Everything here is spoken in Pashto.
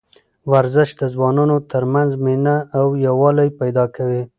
ورزش د ځوانانو ترمنځ مینه او یووالی پیدا کوي.